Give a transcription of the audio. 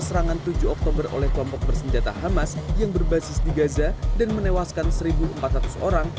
serangan tujuh oktober oleh kelompok bersenjata hamas yang berbasis di gaza dan menewaskan satu empat ratus orang